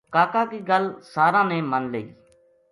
کاکا کی گل ساراں نے من لئی